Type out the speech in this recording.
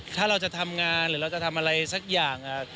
ถ้าเราจะทำงานหรือเราจะทำอะไรสักอย่าง